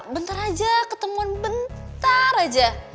bentar aja ketemuan bentar aja